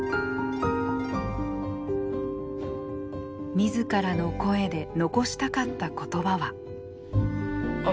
自らの声で残したかった言葉は。